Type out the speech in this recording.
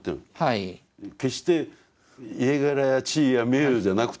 決して家柄や地位や名誉じゃなくて命を伝えてる。